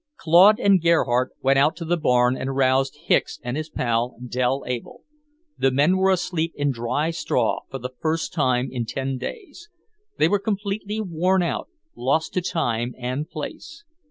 Claude and Gerhardt went out to the barn and roused Hicks and his pal, Dell Able. The men were asleep in dry straw, for the first time in ten days. They were completely worn out, lost to time and place.